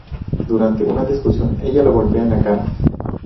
Durante una discusión, ella lo golpea en la cara.